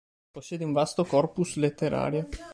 Possiede un vasto corpus letterario.